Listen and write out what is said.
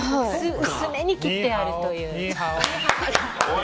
薄めに切ってあるという。